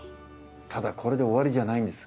ただこれで終わりじゃないんです。